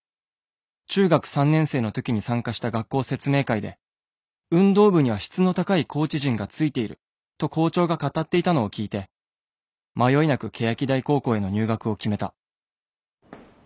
中学３年生の時に参加した学校説明会で『運動部には質の高いコーチ陣がついている』と校長が語っていたのを聞いて迷いなく欅台高校への入学を決めた。